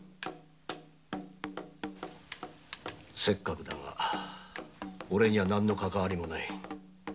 せっかくだがおれには何のかかわりもない。